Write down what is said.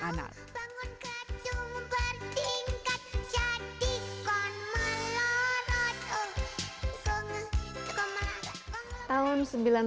bangun kejung bertingkat jatikkan melorot